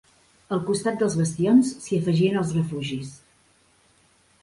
Al costat dels bastions s'hi afegien els refugis.